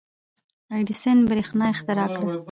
• اډیسن برېښنا اختراع کړه.